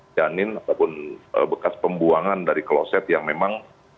janin ataupun bekas pembuangan dari kloset yang memang